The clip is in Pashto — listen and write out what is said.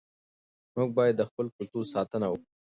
موږ باید د خپل کلتور ساتنه وکړو.